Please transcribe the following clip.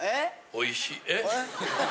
おいしい。